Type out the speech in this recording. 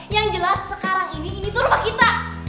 yang jelas sekarang ini ini tuh rumah kita